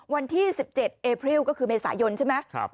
วันที่สิบเจ็ดเอพริวก็คือเมษายนใช่ไหมครับ